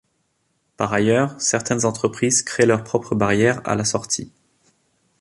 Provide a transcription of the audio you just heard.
Par ailleurs, certaines entreprises créent leurs propres barrières à la sortie.